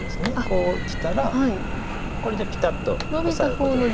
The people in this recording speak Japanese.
こうきたらこれでピタッとオサえることが。